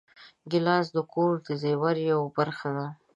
ګیلاس د کور د زېور یوه برخه ده.